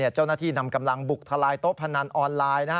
เจ้าหน้าที่นำกำลังบุกทลายโต๊ะพนันออนไลน์